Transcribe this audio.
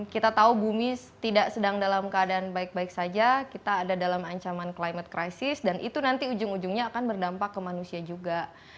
kita tahu bumi tidak sedang dalam keadaan baik baik saja kita ada dalam ancaman climate crisis dan itu nanti ujung ujungnya akan berdampak ke manusia juga